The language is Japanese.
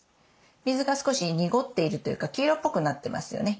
水が少し濁っているというか黄色っぽくなってますよね。